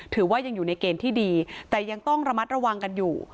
ถือว่ายังอยู่ในเกณฑ์ที่ดีแต่ยังต้องระมัดระวังกันอยู่